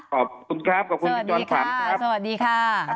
ขอบคุณครับขอบคุณคุณจรภัณฑ์ครับสวัสดีค่ะสวัสดีค่ะ